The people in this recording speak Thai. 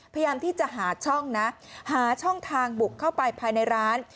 พยายามที่จะหาช่องนะหาช่องทางบุกเข้าไปภายในร้าน